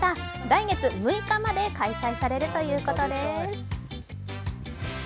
来月６日まで開催されるということです。